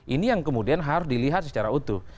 ini yang kemudian harus dilihat secara utuh